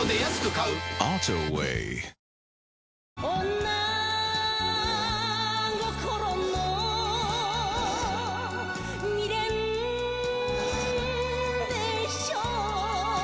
女心の未練でしょう